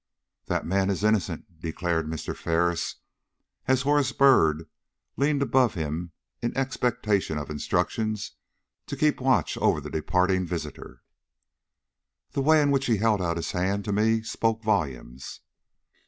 "That man is innocent," declared Mr. Ferris, as Horace Byrd leaned above him in expectation of instructions to keep watch over the departing visitor. "The way in which he held out his hand to me spoke volumes."